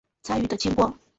参与的经过